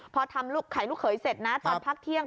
พอทำไข่ลูกเขยเสร็จนะตอนพักเที่ยง